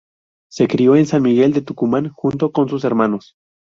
Se crio en San Miguel de Tucumán, junto con sus hermanos.